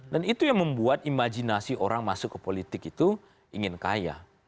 dan itu yang membuat imajinasi orang masuk ke politik itu ingin kaya